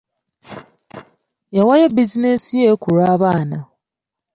Yawaayo bizinensi ye ku lw'abaana.